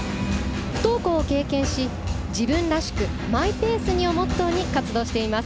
不登校を経験し「自分らしく、マイペースに」をモットーに活動しています。